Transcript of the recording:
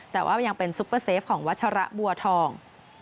แต่ว่ายังเป็นซุปเปอร์เซฟของวัชระบัวทอง